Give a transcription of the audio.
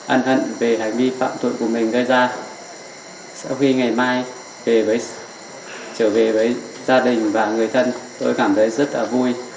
ấn hận về hành vi phạm tội của mình gây ra sau khi ngày mai trở về với gia đình và người thân tôi cảm thấy rất là vui